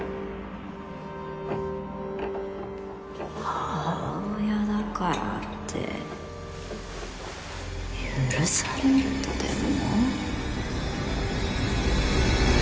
母親だからって許されるとでも？